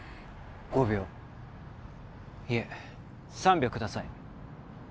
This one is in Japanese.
５秒いえ３秒ください